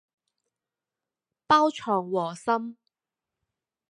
包藏禍心